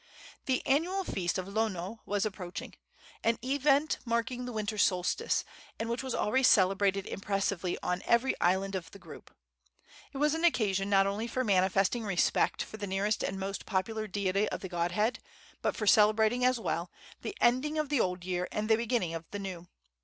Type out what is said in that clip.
The annual festival of Lono was approaching an event marking the winter solstice, and which was always celebrated impressively on every island of the group. It was an occasion not only for manifesting respect for the nearest and most popular deity of the godhead, but for celebrating, as well, the ending of the old year and the beginning of the new.